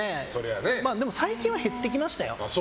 最近は減ってきましたよ。